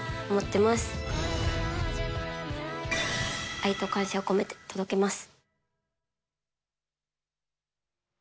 愛と感謝を込めて届けます。